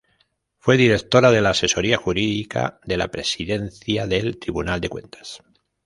Fue Directora de la Asesoría Jurídica de la Presidencia del Tribunal de Cuentas.